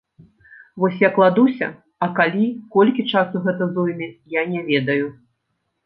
Вось я кладуся, а калі, колькі часу гэта зойме, я не ведаю.